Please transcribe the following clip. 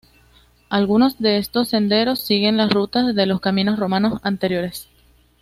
Algunos de estos senderos siguen las rutas de los caminos romanos anteriores.